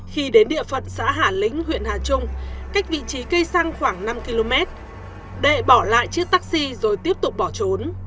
khi đến địa phận xã hà lĩnh huyện hà trung cách vị trí cây xăng khoảng năm km đệ bỏ lại chiếc taxi rồi tiếp tục bỏ trốn